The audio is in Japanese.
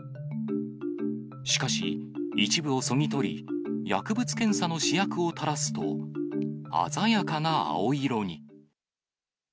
しかし、一部をそぎ取り、薬物検査の試薬をたらすと、鮮やかな青色に。